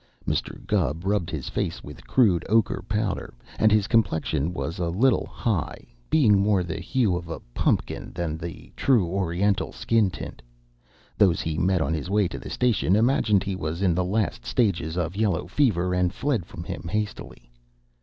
Mr. Gubb rubbed his face with crude ochre powder, and his complexion was a little high, being more the hue of a pumpkin than the true Oriental skin tint. Those he met on his way to the station imagined he was in the last stages of yellow fever, and fled from him hastily.